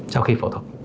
sau khi phẫu thuật